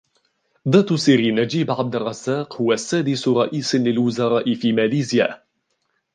داتو سيري نجيب عبد الرزاق هو سادس رئيس للوزراء في ماليزيا.